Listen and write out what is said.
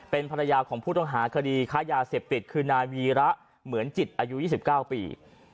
เป็นภรรยาของผู้ต้องหาคดีค้ายาเสพติดคือนายวีระเหมือนจิตอายุ๒๙ปี